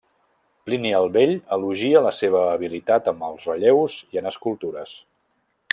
Plini el Vell elogia la seva habilitat amb els relleus i en escultures.